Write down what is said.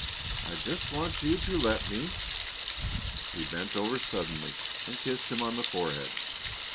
I just want you to let me " She bent over suddenly and kissed him on the forehead.